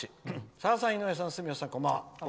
「さださん、井上さん、住吉さんこんばんは。